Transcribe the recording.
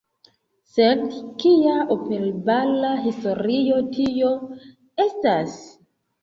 Sed kia operbala historio tio estas?